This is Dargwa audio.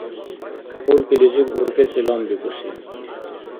Уркӏилизиб уркӏецӏи ламбикӏуси